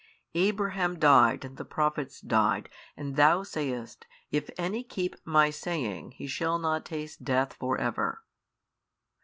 Abraham died and the prophets died and THOU sayest, If any keep My saying, he shall not taste death for ever.